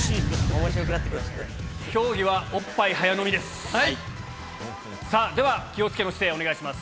競技はおっぱい早飲みです。